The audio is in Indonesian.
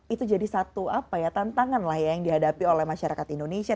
itu jadi satu tantangan lah ya yang dihadapi oleh masyarakat indonesia